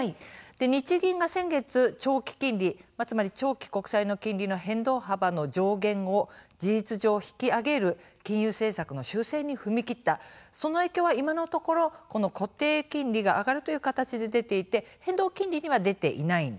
日銀が先月、長期金利つまり長期国債の金利の変動幅の上限を事実上、引き上げる金融政策の修正に踏み切ったその影響は、今のところ固定金利が上がるという形で出ていて変動金利には影響は出ていません。